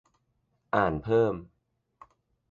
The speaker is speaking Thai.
อ่านเพิ่ม